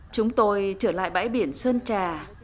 chúng tôi trở lại bãi biển sơn trà